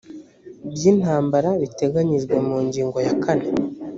by intambara biteganyijwe mu ngingo ya kane